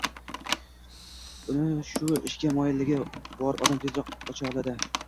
Uni shu ishga moyilligi bor odam tezroq ocha oladi.